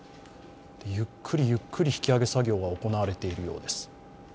ゆっくりゆっくり引き揚げ作業が行われているようです。